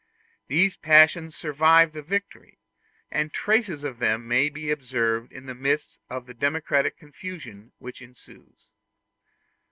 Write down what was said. These passions survive the victory, and traces of them may be observed in the midst of the democratic confusion which ensues.